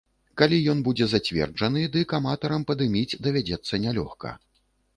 Калі ён будзе зацверджаны, дык аматарам падыміць давядзецца нялёгка.